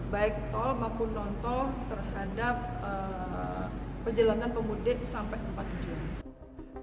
baik tol maupun nontol terhadap perjalanan pemudik sampai ke tempat tujuan